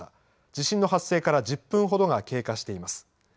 地震の発生から１０分ほどが経過しています。